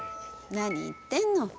何言ってんの。